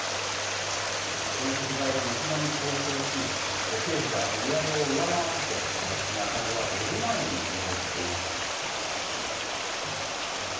その食材が軒並み高騰し、経費が売り上げを上回って、毎月の赤字は５０万円に上っていました。